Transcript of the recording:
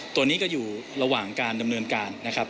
ตัวนี้ก็อยู่ระหว่างการดำเนินการนะครับ